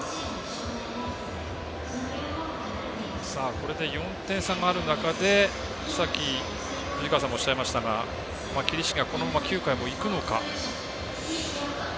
これで４点差がある中でさっき藤川さんがおっしゃいましたが桐敷がこのまま９回もいくのか。